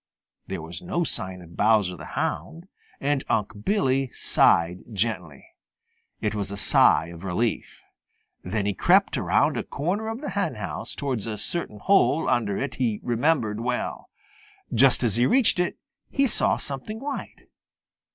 There was no sign of Bowser the Hound, and Unc' Billy sighed gently. It was a sigh of relief. Then he crept around a corner of the henhouse towards a certain hole under it he remembered well. Just as he reached it, he saw something white.